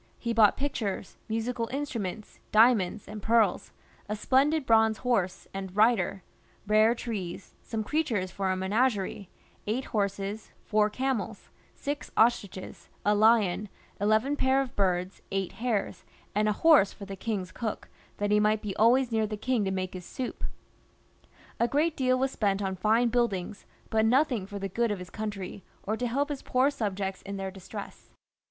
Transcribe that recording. He bought pictures, musical instruments, jewels, diamonds, and pearls, a splendid bronze horse and rider, rare trees, some creatures for a menagerie, " eight horses, four camels, six ostriches, a lion, eleven pair of birds, eight hares," and a horse for the king's cook, that he might be always near the king to make his soup. A great deal was spent on fine buildings, but nothing for the good of his country, or to help his poor subjects in their distress.